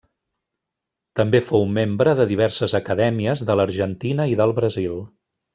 També fou membre de diverses acadèmies de l'Argentina i del Brasil.